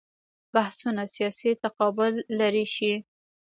بحثونه سیاسي تقابل لرې شي.